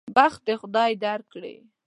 بخت دې خدای درکړي.